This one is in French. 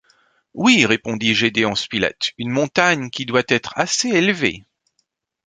Oui, répondit Gédéon Spilett, une montagne qui doit être assez élevée. .